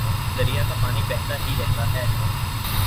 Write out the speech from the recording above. دریا کا پانی بہتا ہی رہتا ہے